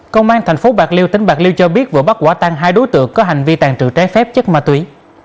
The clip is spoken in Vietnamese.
công an thành phố bạc liêu tỉnh bạc liêu cho biết vừa bắt quả tăng hai đối tượng có hành vi tàn trự trái phép chất ma túy